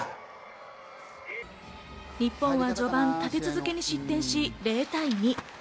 日本は序盤、立て続けに失点し、０対２。